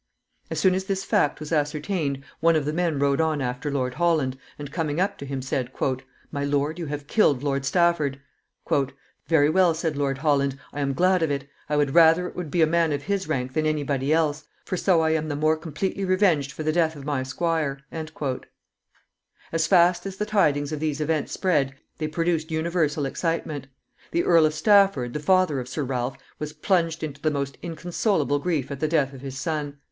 As soon as this fact was ascertained, one of the men rode on after Lord Holland, and, coming up to him, said, "My lord, you have killed Lord Stafford." "Very well," said Lord Holland; "I am glad of it. I would rather it would be a man of his rank than any body else, for so I am the more completely revenged for the death of my squire." As fast as the tidings of these events spread, they produced universal excitement. The Earl of Stafford, the father of Sir Ralph, was plunged into the most inconsolable grief at the death of his son.